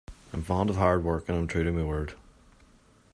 I am fond of hard work, and am true to my word.